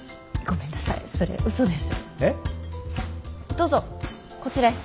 どうぞこちらへ。